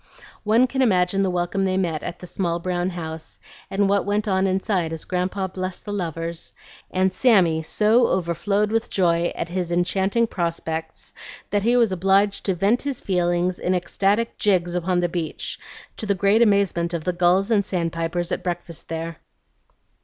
One can imagine the welcome they met at the small brown house, and what went on inside as Grandpa blessed the lovers, and Sammy so overflowed with joy at his enchanting prospects, that he was obliged to vent his feelings in ecstatic jigs upon the beach, to the great amazement of the gulls and sandpipers at breakfast there.